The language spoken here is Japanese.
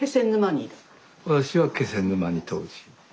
私は気仙沼に当時。